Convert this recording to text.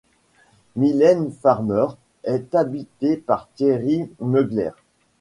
Mylène Farmer est habillée par Thierry Mugler.